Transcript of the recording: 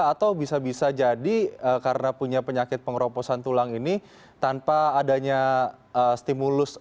atau bisa bisa jadi karena punya penyakit pengeroposan tulang ini tanpa adanya stimulus